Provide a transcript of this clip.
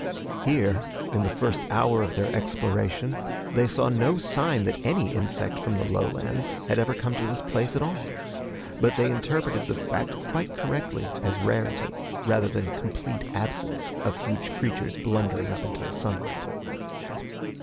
Here, in the first hour of their exploration, they saw no sign that any insect from the lowlands had ever come to this place at all. But they interpreted the fact quite correctly as rarity, rather than complete absence of huge creatures blundering up into the sunlight.